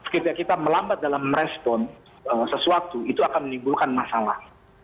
ketika kita melambat dalam merespon sesuatu itu akan menimbulkan masalah